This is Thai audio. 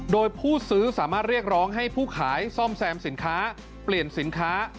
โดยผู้ซื้อสามารถเรียกร้องให้ผู้ขายซ่อมแซมสินค้าเปลี่ยนสินค้า